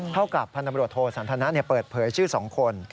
เท่ากับพันธบรวจโทสันทนะเปิดเผยชื่อ๒คน